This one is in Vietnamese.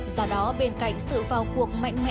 do đó bên cạnh sự vào cuộc mạnh mẽ